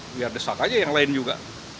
biar desak aja yang lain juga